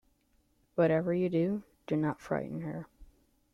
Whatever you do, do not frighten her.